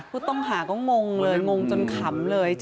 ผู้ต้องหาก็งงเลยงงจนขำเลย